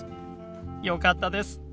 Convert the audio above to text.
よかったです。